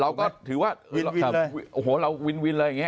เราก็ถือว่าโอ้โหเราวินวินเลยอย่างนี้